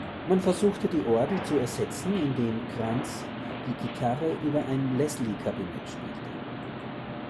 Man versuchte die Orgel zu ersetzen, indem Krantz die Gitarre über ein Leslie-Kabinett spielte.